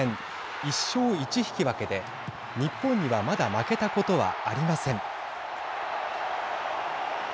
１勝１引き分けで日本にはまだ負けたことはありません。